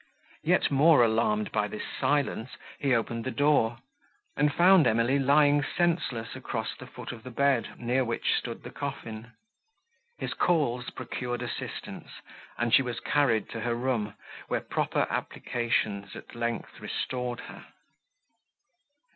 Yet more alarmed by this silence, he opened the door, and found Emily lying senseless across the foot of the bed, near which stood the coffin. His calls procured assistance, and she was carried to her room, where proper applications, at length, restored her.